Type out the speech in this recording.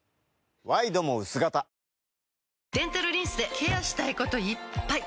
ワイドも薄型デンタルリンスでケアしたいこといっぱい！